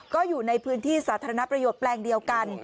ก็อยู่ในพื้นที่สาธารณประโยชน์แปลงเดียวกัน